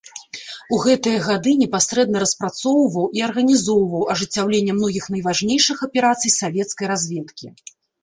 У гэтыя гады непасрэдна распрацоўваў і арганізоўваў ажыццяўленне многіх найважнейшых аперацый савецкай разведкі.